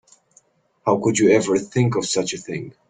How could you ever think of such a thing?